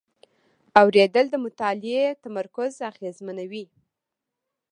اورېدل د مطالعې تمرکز اغېزمنوي.